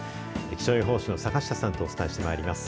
気象予報士の坂下さんとお伝えしてまいります。